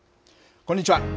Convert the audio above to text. こんにちは。